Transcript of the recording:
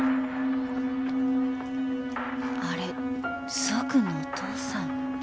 あれ爽君のお父さん？